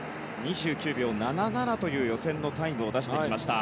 ２９秒７７という予選のタイムを出してきました。